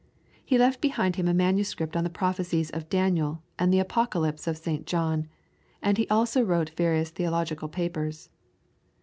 He left behind him a manuscript on the prophecies of Daniel and the Apocalypse of St. John, and he also wrote various theological papers.